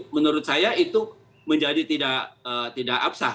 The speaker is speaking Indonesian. menurut saya itu menjadi tidak absah